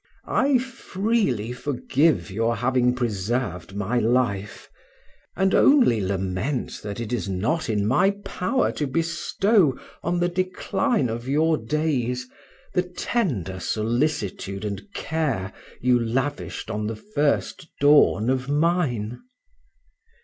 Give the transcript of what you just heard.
I freely forgive your having preserved my life, and only lament that it is not in my power to bestow on the decline of your days the tender solicitude and care you lavished on the first dawn of mine.